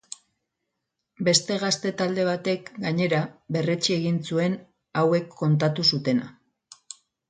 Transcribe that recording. Beste gazte talde batek, gainera, berretsi egin zuen hauek kontatu zutena.